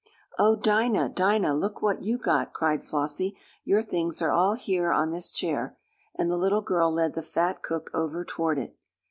"Oh, Dinah! Dinah! Look what you got!" cried Flossie. "Your things are all here on this chair," and the little girl led the fat cook over toward it.